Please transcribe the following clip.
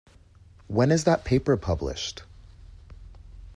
When is that paper published?